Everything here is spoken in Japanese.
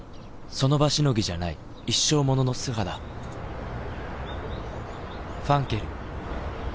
その場しのぎじゃない一生ものの素肌磧ファンケル」